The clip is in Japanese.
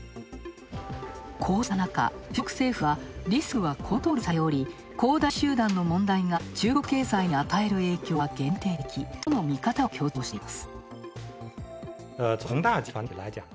こうした中、中国政府はリスクはコントロールされており恒大集団の問題が中国経済に与える影響は限定的との見方を強調しています。